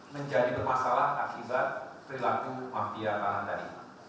menjadi bermasalah akibat perilaku mafia tanah tadi